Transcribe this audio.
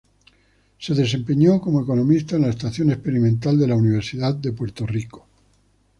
Se desempeñó como economista en la Estación Experimental de la Universidad de Puerto Rico.